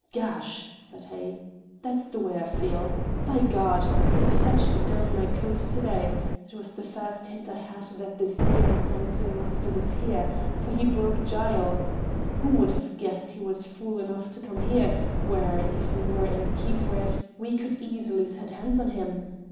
"Gash!" said he. "That's the way I feel. By God! Ye fetched down my coat to day. It was the first hint I had that this damned dancing master was here, for he broke jyle; who would have guessed he was fool enough to come here, where if we were in the key for it we could easily set hands on him?